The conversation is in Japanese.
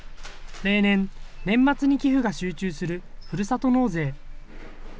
例年、年末に寄付が集中するふるさと納税。